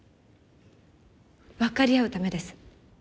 分かり合うためです。